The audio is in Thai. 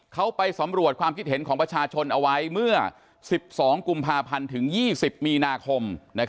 เขาไปสำรวจความคิดเห็นของประชาชนเอาไว้เมื่อ๑๒กุมภาพันธ์ถึง๒๐มีนาคม